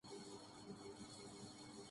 حسن کی مصوری بذات خود اہم نہیں